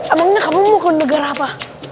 abangnya kamu mau ke negara apa